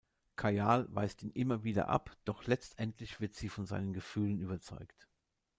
Kajal weist ihn immer wieder ab, doch letztendlich wird sie von seinen Gefühlen überzeugt.